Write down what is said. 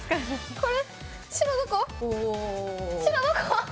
これ。